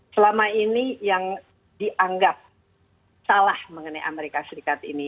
selama ini yang dianggap salah mengenai amerika serikat ini